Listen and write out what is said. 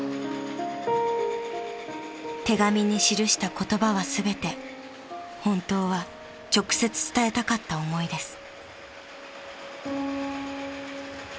［手紙に記した言葉は全て本当は直接伝えたかった思いです］